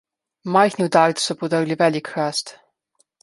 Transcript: Majhni udarci so podrli velik hrast.